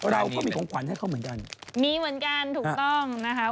เราก็มีของขวัญให้เขาเหมือนกันมีเหมือนกันถูกต้องนะคะ